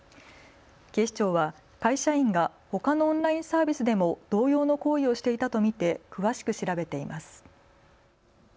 警視庁は会社員がほかのオンラインサービスでも同様の行為をしていたと見て詳しく調べています。